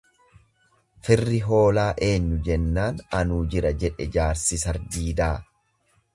Firri hoolaa eenyu jennaan anuu jira jedhe jaarsi sardiidaa.